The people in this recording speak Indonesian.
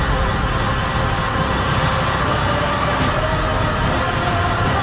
aku akan menggunakan hajian yang takut untuk melawannya